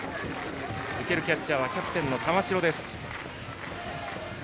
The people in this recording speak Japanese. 受けるキャッチャーはキャプテンの玉城です。